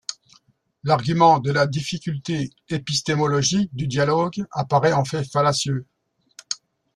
L'argument de la difficulté épistémologique du dialogue apparaît en fait fallacieux.